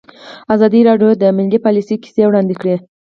ازادي راډیو د مالي پالیسي کیسې وړاندې کړي.